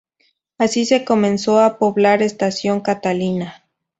Así se comenzó a poblar Estación Catalina.